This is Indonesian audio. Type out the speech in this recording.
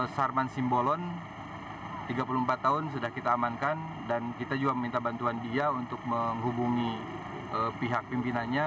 sarman simbolon tiga puluh empat tahun sudah kita amankan dan kita juga meminta bantuan dia untuk menghubungi pihak pimpinannya